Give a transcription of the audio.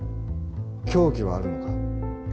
凶器はあるのか？